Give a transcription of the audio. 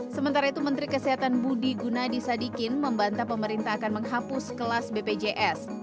sementara itu menteri kesehatan budi gunadi sadikin membantah pemerintah akan menghapus kelas bpjs